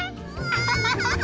アハハハハ！